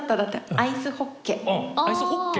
アイスホッケ！？